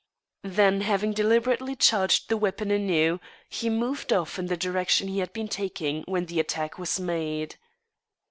Then having deliberately charged the weapon anew, he moved off in the direction he had been taking when the attack was made.